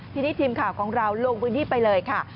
ทีนี้ทีมข่าวของเราลงพื้นที่ไปเลยค่ะ